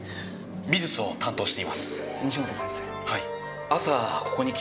美術を担当しています。